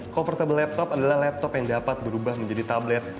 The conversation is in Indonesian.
comfortable laptop adalah laptop yang dapat berubah menjadi tablet